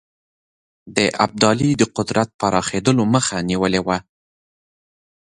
د ابدالي د قدرت پراخېدلو مخه نیولې وه.